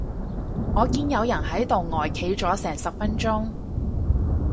我見有人喺度呆企咗成十分鐘